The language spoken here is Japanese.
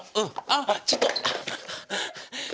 あっちょっと！